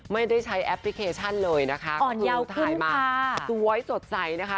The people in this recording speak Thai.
ไม่ได้ใช้แอปพลิเคชันเลยนะคะคุณผู้ชมถ่ายมาสวยสดใสนะคะ